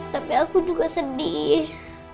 tapi aku juga sedih